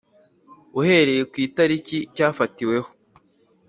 uhereye ku itariki cyafatiweho